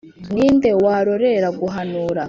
Ni nde warorera guhanura?